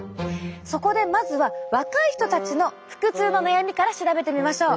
そこでまずは若い人たちの腹痛の悩みから調べてみましょう。